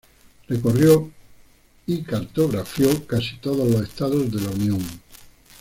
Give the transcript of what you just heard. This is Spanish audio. Recorrió y cartografió casi todos los estados de la Unión.